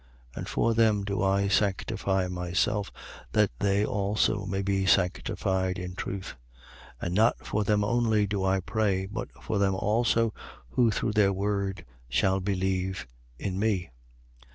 17:19. And for them do I sanctify myself, that they also may be sanctified in truth. 17:20. And not for them only do I pray, but for them also who through their word shall believe in me.